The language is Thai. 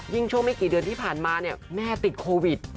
ยิ่งช่วงไม่กี่เดือนที่ผ่านมาแม่ติดโควิด